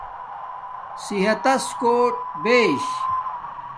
صحت تس کوٹ بیش